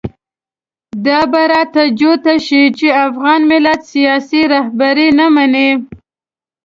دا به راته جوته شي چې افغان ملت سیاسي رهبري نه مني.